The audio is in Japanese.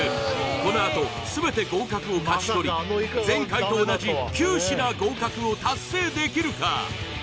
このあとすべて合格を勝ち取り前回と同じ９品合格を達成できるか？